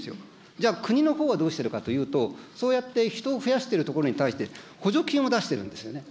じゃあ国のほうはどうしてるかというと、そうやって人を増やしているところに対して、補助金を出してるんですよね。